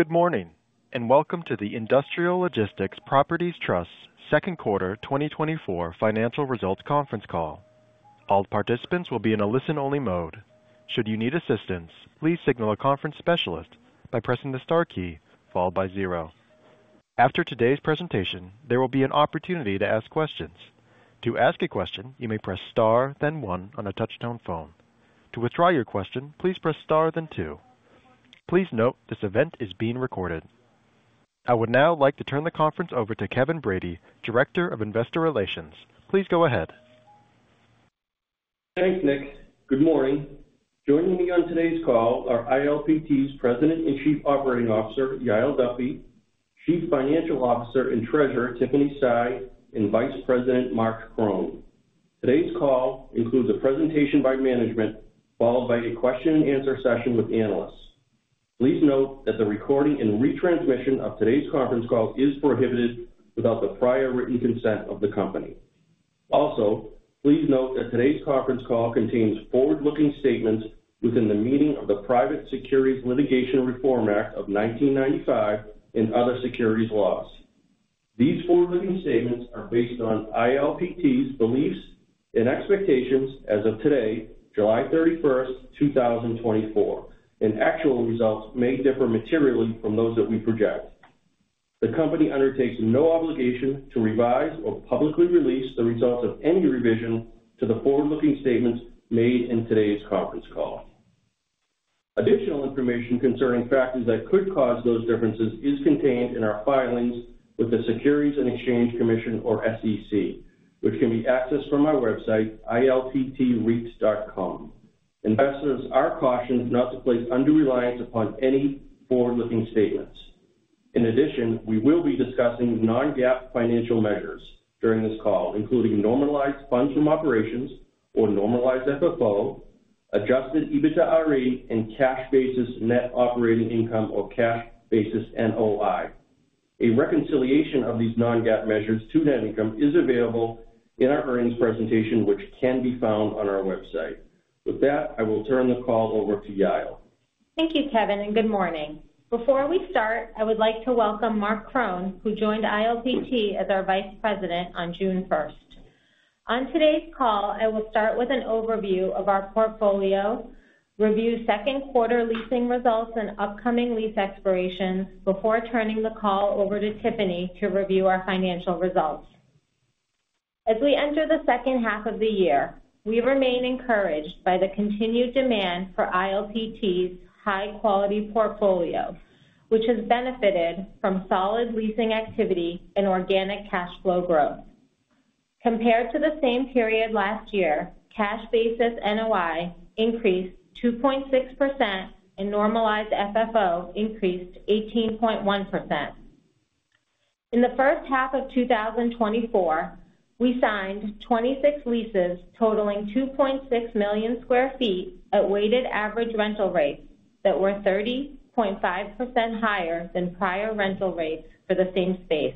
Good morning, and welcome to the Industrial Logistics Properties Trust Q2 2024 Financial Results Conference Call. All participants will be in a listen-only mode. Should you need assistance, please signal a conference specialist by pressing the star key, followed by zero. After today's presentation, there will be an opportunity to ask questions. To ask a question, you may press star, then one on a touchtone phone. To withdraw your question, please press star, then two. Please note, this event is being recorded. I would now like to turn the conference over to Kevin Brady, Director of Investor Relations. Please go ahead. Thanks, Nick. Good morning. Joining me on today's call are ILPT's President and Chief Operating Officer, Yael Duffy, Chief Financial Officer and Treasurer, Tiffany Sy, and Vice President, Marc Krohn. Today's call includes a presentation by management, followed by a question-and-answer session with analysts. Please note that the recording and retransmission of today's conference call is prohibited without the prior written consent of the company. Also, please note that today's conference call contains forward-looking statements within the meaning of the Private Securities Litigation Reform Act of 1995 and other securities laws. These forward-looking statements are based on ILPT's beliefs and expectations as of today, July 31, 2024, and actual results may differ materially from those that we project. The company undertakes no obligation to revise or publicly release the results of any revision to the forward-looking statements made in today's conference call. Additional information concerning factors that could cause those differences is contained in our filings with the Securities and Exchange Commission or SEC, which can be accessed from our website, ilptreit.com. Investors are cautioned not to place undue reliance upon any forward-looking statements. In addition, we will be discussing non-GAAP financial measures during this call, including normalized funds from operations or normalized FFO, adjusted EBITDAre, and cash basis net operating income or cash basis NOI. A reconciliation of these non-GAAP measures to net income is available in our earnings presentation, which can be found on our website. With that, I will turn the call over to Yael. Thank you, Kevin, and good morning. Before we start, I would like to welcome Marc Krohn, who joined ILPT as our Vice President on June 1. On today's call, I will start with an overview of our portfolio, review Q2 leasing results and upcoming lease expirations before turning the call over to Tiffany to review our financial results. As we enter the second half of the year, we remain encouraged by the continued demand for ILPT's high-quality portfolio, which has benefited from solid leasing activity and organic cash flow growth. Compared to the same period last year, cash basis NOI increased 2.6% and normalized FFO increased 18.1%. In the first half of 2024, we signed 26 leases totaling 2.6 million sq ft at weighted average rental rates that were 30.5% higher than prior rental rates for the same space.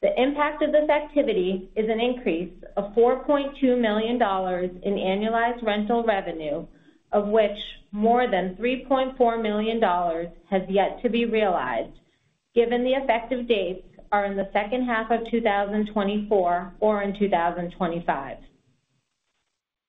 The impact of this activity is an increase of $4.2 million in annualized rental revenue, of which more than $3.4 million has yet to be realized, given the effective dates are in the second half of 2024 or in 2025.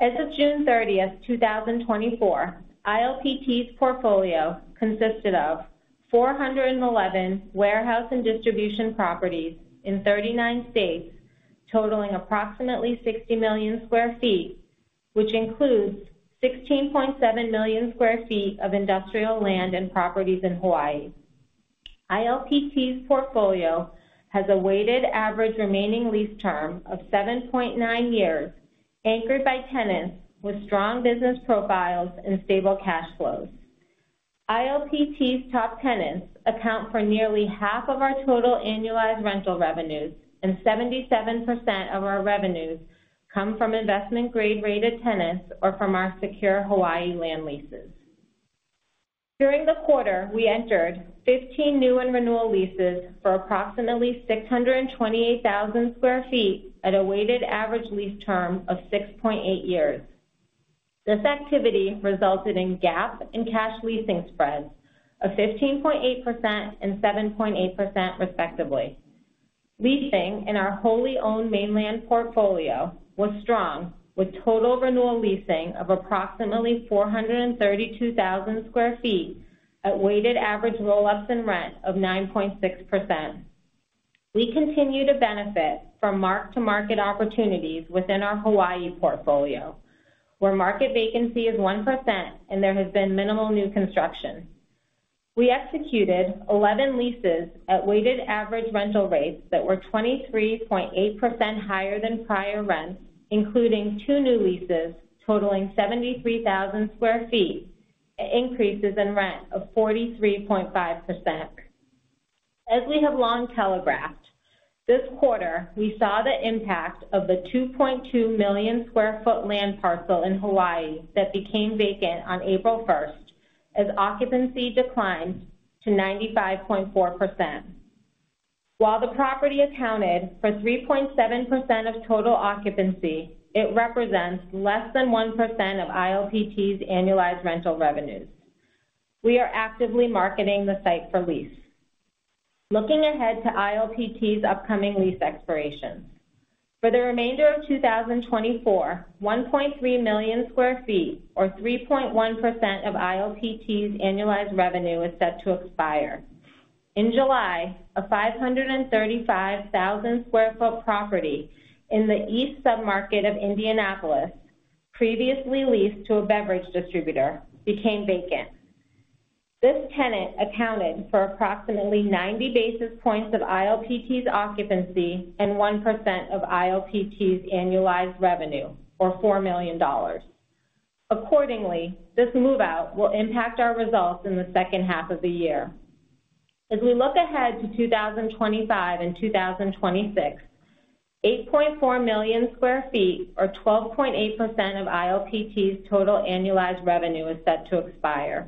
As of June 30, 2024, ILPT's portfolio consisted of 411 warehouse and distribution properties in 39 states, totaling approximately 60 million sq ft, which includes 16.7 million sq ft of industrial land and properties in Hawaii. ILPT's portfolio has a weighted average remaining lease term of 7.9 years, anchored by tenants with strong business profiles and stable cash flows. ILPT's top tenants account for nearly half of our total annualized rental revenues, and 77% of our revenues come from investment grade-rated tenants or from our secure Hawaii land leases. During the quarter, we entered 15 new and renewal leases for approximately 628,000 sq ft at a weighted average lease term of 6.8 years. This activity resulted in GAAP and cash leasing spreads of 15.8% and 7.8%, respectively. Leasing in our wholly owned mainland portfolio was strong, with total renewal leasing of approximately 432,000 sq ft at weighted average roll-ups and rent of 9.6%. We continue to benefit from mark-to-market opportunities within our Hawaii portfolio, where market vacancy is 1% and there has been minimal new construction. We executed 11 leases at weighted average rental rates that were 23.8% higher than prior rents, including 2 new leases totaling 73,000 sq ft, increases in rent of 43.5%. As we have long telegraphed, this quarter, we saw the impact of the 2.2 million sq ft land parcel in Hawaii that became vacant on April 1 as occupancy declined to 95.4%. While the property accounted for 3.7% of total occupancy, it represents less than 1% of ILPT's annualized rental revenues. We are actively marketing the site for lease. Looking ahead to ILPT's upcoming lease expirations. For the remainder of 2024, 1.3 million sq ft, or 3.1% of ILPT's annualized revenue, is set to expire. In July, a 535,000 sq ft property in the East Submarket of Indianapolis, previously leased to a beverage distributor, became vacant. This tenant accounted for approximately 90 basis points of ILPT's occupancy and 1% of ILPT's annualized revenue, or $4 million. Accordingly, this move-out will impact our results in the second half of the year. As we look ahead to 2025 and 2026, 8.4 million sq ft, or 12.8% of ILPT's total annualized revenue, is set to expire.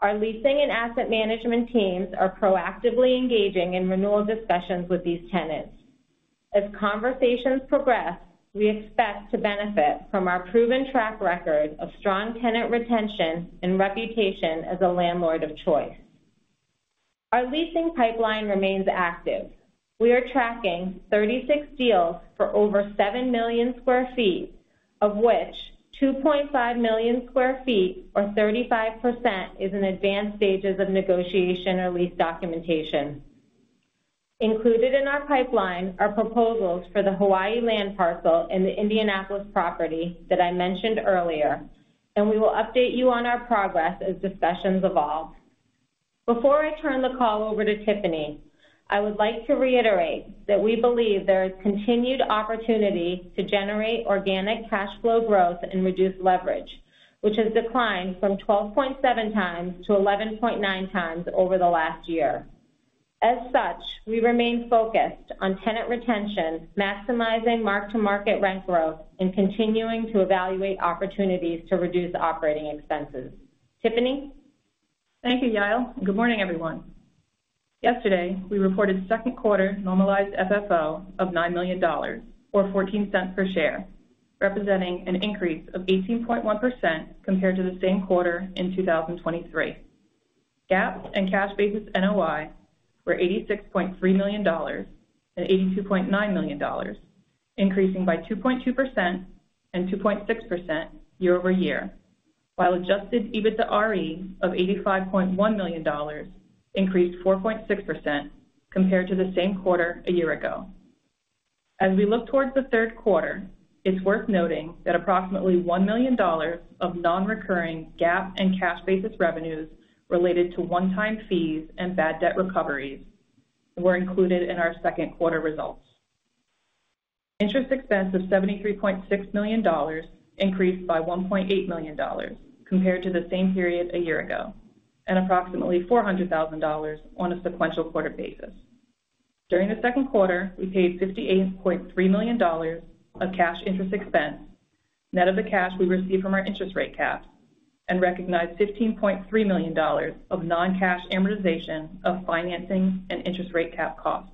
Our leasing and asset management teams are proactively engaging in renewal discussions with these tenants. As conversations progress, we expect to benefit from our proven track record of strong tenant retention and reputation as a landlord of choice. Our leasing pipeline remains active. We are tracking 36 deals for over 7 million sq ft, of which 2.5 million sq ft, or 35%, is in advanced stages of negotiation or lease documentation. Included in our pipeline are proposals for the Hawaii land parcel and the Indianapolis property that I mentioned earlier, and we will update you on our progress as discussions evolve. Before I turn the call over to Tiffany, I would like to reiterate that we believe there is continued opportunity to generate organic cash flow growth and reduce leverage, which has declined from 12.7x to 11.9x over the last year. As such, we remain focused on tenant retention, maximizing mark-to-market rent growth, and continuing to evaluate opportunities to reduce operating expenses. Tiffany? Thank you, Yael, and good morning, everyone. Yesterday, we reported Q2 Normalized FFO of $9 million, or $0.14 per share, representing an increase of 18.1% compared to the same quarter in 2023. GAAP and cash basis NOI were $86.3 million and $82.9 million, increasing by 2.2% and 2.6% year-over-year, while Adjusted EBITDAre of $85.1 million increased 4.6% compared to the same quarter a year ago. As we look towards the Q3, it's worth noting that approximately $1 million of non-recurring GAAP and cash basis revenues related to one-time fees and bad debt recoveries were included in our Q2 results. Interest expense of $73.6 million increased by $1.8 million compared to the same period a year ago, and approximately $400,000 on a sequential quarter basis. During the Q2, we paid $58.3 million of cash interest expense, net of the cash we received from our interest rate cap, and recognized $15.3 million of non-cash amortization of financing and interest rate cap costs.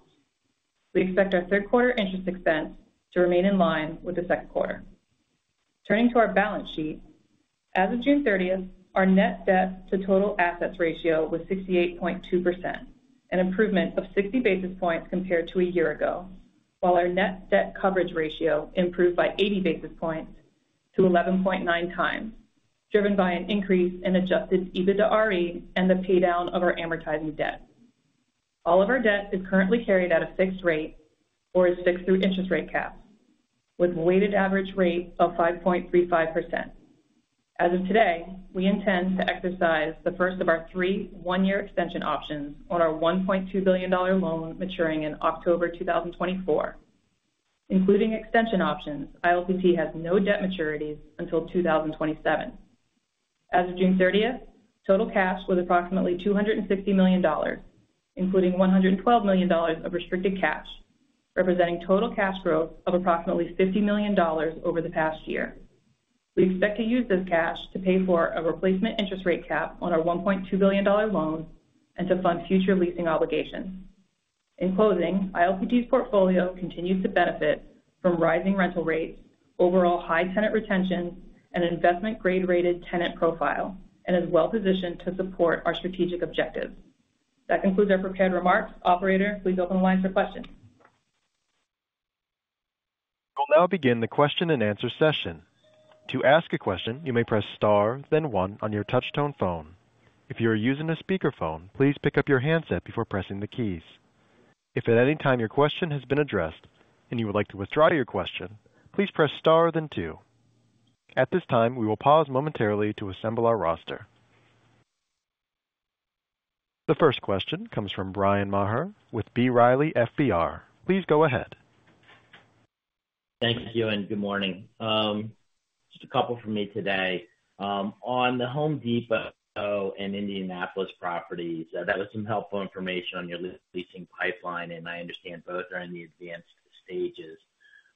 We expect our Q3 interest expense to remain in line with the Q2. Turning to our balance sheet. As of June 30th, our net debt to total assets ratio was 68.2%, an improvement of 60 basis points compared to a year ago, while our net debt coverage ratio improved by 80 basis points to 11.9 times, driven by an increase in Adjusted EBITDAre and the paydown of our amortizing debt. All of our debt is currently carried at a fixed rate or a fixed-rate interest rate cap, with a weighted average rate of 5.35%. As of today, we intend to exercise the first of our three one-year extension options on our $1.2 billion loan maturing in October 2024. Including extension options, ILPT has no debt maturities until 2027. As of June 30th, total cash was approximately $260 million, including $112 million of restricted cash, representing total cash growth of approximately $50 million over the past year. We expect to use this cash to pay for a replacement interest rate cap on our $1.2 billion loan and to fund future leasing obligations. In closing, ILPT's portfolio continues to benefit from rising rental rates, overall high tenant retention, and an investment grade-rated tenant profile, and is well positioned to support our strategic objectives. That concludes our prepared remarks. Operator, please open the line for questions. We'll now begin the question-and-answer session. To ask a question, you may press star, then one on your touch tone phone. If you are using a speakerphone, please pick up your handset before pressing the keys. If at any time your question has been addressed and you would like to withdraw your question, please press star then two. At this time, we will pause momentarily to assemble our roster. The first question comes from Bryan Maher with B. Riley FBR. Please go ahead. Thank you, and good morning. Just a couple from me today. On the Home Depot and Indianapolis properties, that was some helpful information on your leasing pipeline, and I understand both are in the advanced stages.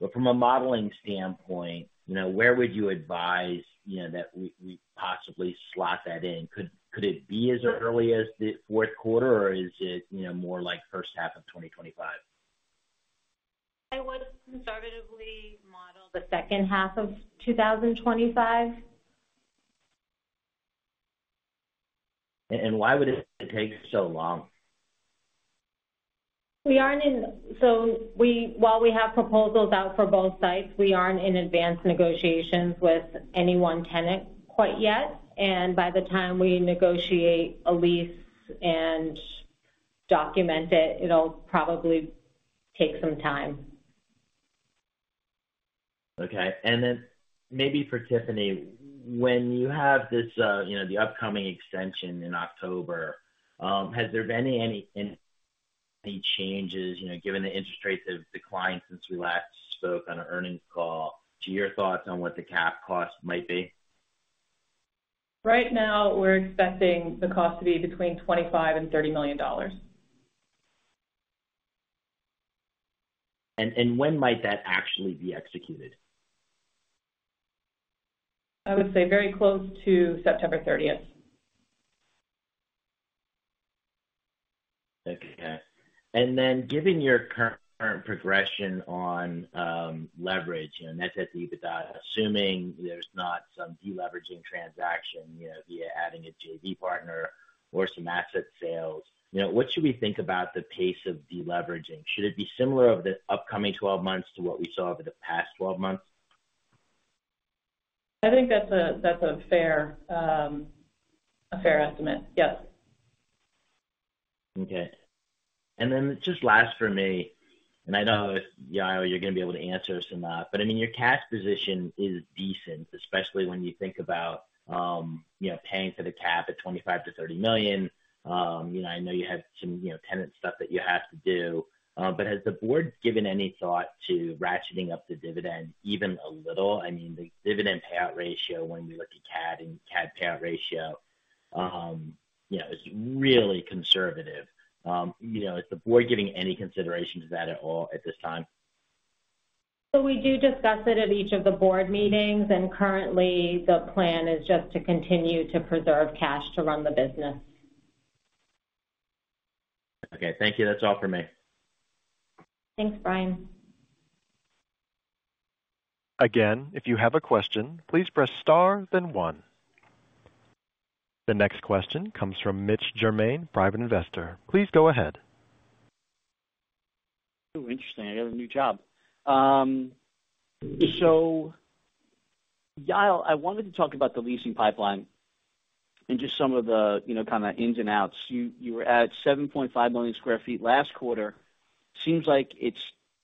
But from a modeling standpoint, you know, where would you advise, you know, that we, we possibly slot that in? Could, could it be as early as the Q4, or is it, you know, more like first half of 2025? I would conservatively model the second half of 2025. And why would it take so long? While we have proposals out for both sites, we aren't in advanced negotiations with any one tenant quite yet, and by the time we negotiate a lease and document it, it'll probably take some time. Okay. And then maybe for Tiffany, when you have this, you know, the upcoming extension in October, has there been any changes, you know, given the interest rates have declined since we last spoke on an earnings call, to your thoughts on what the cap cost might be? Right now, we're expecting the cost to be between $25 million and $30 million. And when might that actually be executed? I would say very close to September 30th. Okay. And then, given your current progression on leverage, and that's at the EBITDA, assuming there's not some deleveraging transaction, you know, via adding a JV partner or some asset sales, you know, what should we think about the pace of deleveraging? Should it be similar over the upcoming 12 months to what we saw over the past 12 months? I think that's a fair estimate. Yes. Okay. And then just last for me, and I don't know if, Yael, you're gonna be able to answer this or not, but, I mean, your cash position is decent, especially when you think about, you know, paying for the cap at $25 million-$30 million. You know, I know you have some, you know, tenant stuff that you have to do. But has the board given any thought to ratcheting up the dividend even a little? I mean, the dividend payout ratio when we look at CAD and CAD payout ratio, you know, is really conservative. You know, is the board giving any consideration to that at all at this time? We do discuss it at each of the board meetings, and currently, the plan is just to continue to preserve cash to run the business. Okay. Thank you. That's all for me. Thanks, Brian. Again, if you have a question, please press Star, then 1. The next question comes from Mitch Germain, private investor. Please go ahead. Oh, interesting. I got a new job. So, Yael, I wanted to talk about the leasing pipeline and just some of the, you know, kind of ins and outs. You were at 7.5 million sq ft last quarter. Seems like it's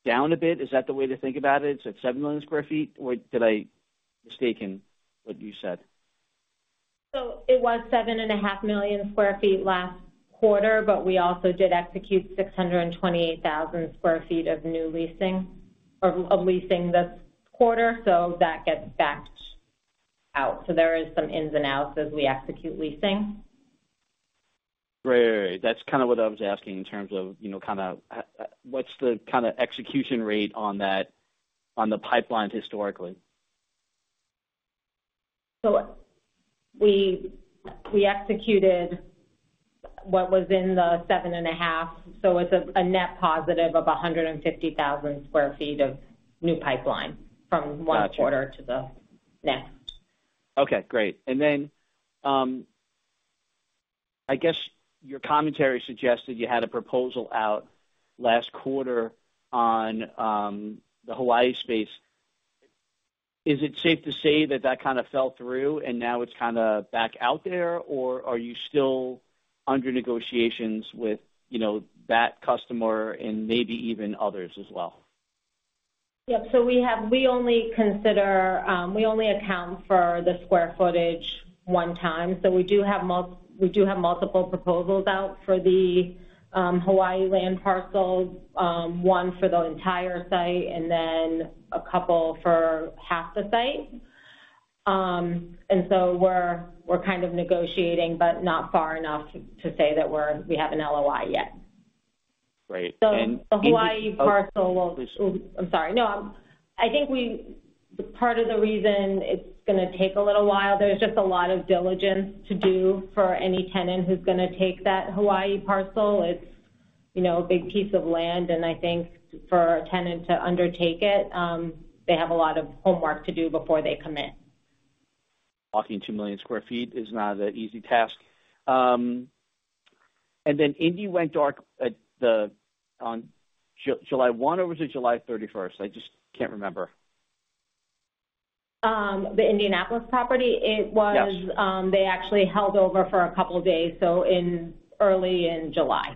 down a bit. Is that the way to think about it? It's at 7 million sq ft, or did I mistake what you said? So it was 7.5 million sq ft last quarter, but we also did execute 628,000 sq ft of new leasing this quarter, so that gets backed out. So there is some ins and outs as we execute leasing. Right. That's kind of what I was asking in terms of, you know, kind of, what's the kind of execution rate on that, on the pipeline historically? So we executed what was in the 7.5, so it's a net positive of 150,000 sq ft of new pipeline from one quarter- Got you. to the next. Okay, great. And then, I guess your commentary suggested you had a proposal out last quarter on, the Hawaii space. Is it safe to say that that kind of fell through and now it's kind of back out there? Or are you still under negotiations with, you know, that customer and maybe even others as well? Yep. So we only consider, we only account for the square footage one time. So we do have multiple proposals out for the Hawaii land parcel, one for the entire site and then a couple for half the site. And so we're kind of negotiating, but not far enough to say that we have an LOI yet. Right. And- Part of the reason it's gonna take a little while, there's just a lot of diligence to do for any tenant who's gonna take that Hawaii parcel. It's, you know, a big piece of land, and I think for a tenant to undertake it, they have a lot of homework to do before they commit. Walking 2 million sq ft is not an easy task. And then Indy went dark on July 1 or was it July 31st? I just can't remember. The Indianapolis property? Yes. It was, they actually held over for a couple of days, so in early July.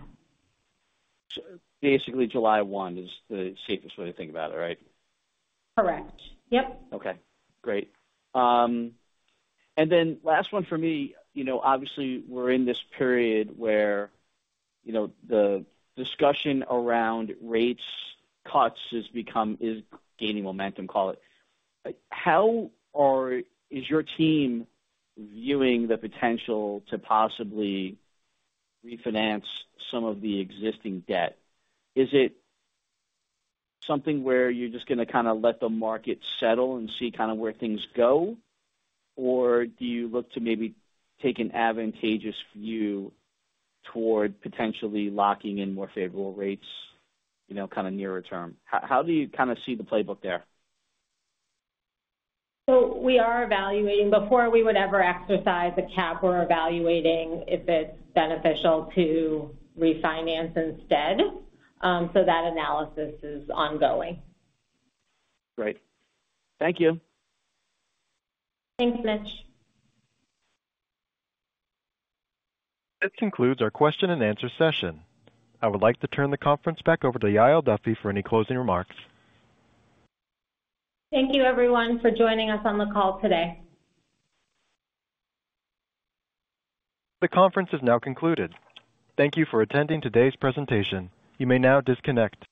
So basically, July 1 is the safest way to think about it, right? Correct. Yep. Okay, great. And then last one for me. You know, obviously, we're in this period where, you know, the discussion around rates cuts is gaining momentum, call it. How is your team viewing the potential to possibly refinance some of the existing debt? Is it something where you're just gonna kind of let the market settle and see kind of where things go? Or do you look to maybe take an advantageous view toward potentially locking in more favorable rates, you know, kind of nearer term? How do you kind of see the playbook there? So we are evaluating. Before we would ever exercise a cap, we're evaluating if it's beneficial to refinance instead. So that analysis is ongoing. Great. Thank you. Thanks, Mitch. This concludes our question-and-answer session. I would like to turn the conference back over to Yael Duffy for any closing remarks. Thank you, everyone, for joining us on the call today. The conference is now concluded. Thank you for attending today's presentation. You may now disconnect.